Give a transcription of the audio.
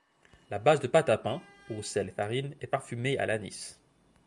La base de pâte à pain, eau, sel et farine, est parfumée à l'anis.